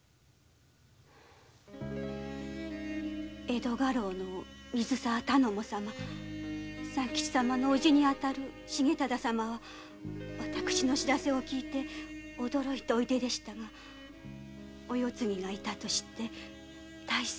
江戸家老の水沢頼母様三吉様の叔父に当たる重忠様は私の報せを聞いて驚いておいででしたがお世継ぎがいたと知って大層お喜びでした。